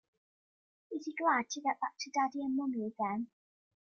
Is he glad to get back to Daddy and Mummy again?